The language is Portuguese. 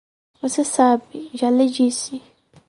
Você sabe; já lhe disse.